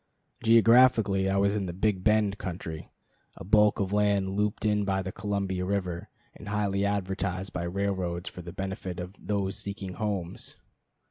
Geographically I was in the "Big Bend" country, a bulk of land looped in by the Columbia River, and highly advertised by railroads for the benefit of "those seeking homes."